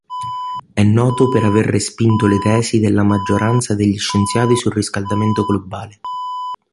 È noto per aver respinto le tesi della maggioranza degli scienziati sul riscaldamento globale.